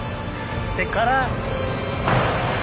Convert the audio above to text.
してから。